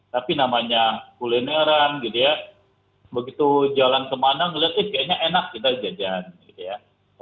tapi namanya kulineran gitu ya begitu jalan kemana ngeliatnya kayaknya enak kita jajan gitu ya